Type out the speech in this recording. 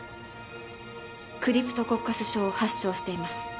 クリプトコッカス症を発症しています。